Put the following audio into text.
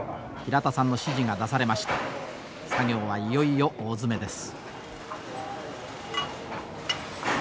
作業はいよいよ大詰めです。